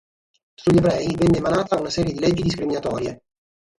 Sugli ebrei venne emanata una serie di leggi discriminatorie.